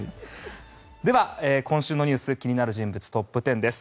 では、今週のニュース気になる人物トップ１０です。